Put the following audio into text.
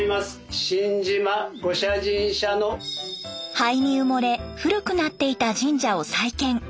灰に埋もれ古くなっていた神社を再建。